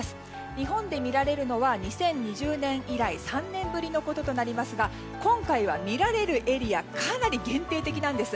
日本で見られるのは２０２０年以来３年ぶりのこととなりますが今回は見られるエリアがかなり限定的なんです。